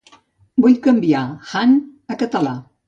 Vull canviar han a català.